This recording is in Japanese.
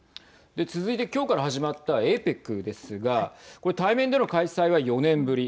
で、続いて今日から始まったＡＰＥＣですがこれ対面での開催は４年ぶり。